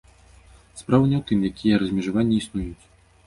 Справа не ў тым, якія размежаванні існуюць.